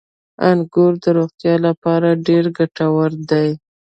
• انګور د روغتیا لپاره ډېر ګټور دي.